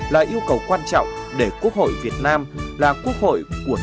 là yêu cầu quan trọng để quốc hội việt nam là quốc hội quốc hội